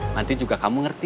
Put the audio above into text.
nanti juga kamu ngerti